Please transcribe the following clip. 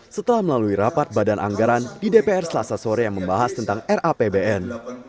setelah melalui rapat badan anggaran di dpr selasa sore yang membahas tentang rapbn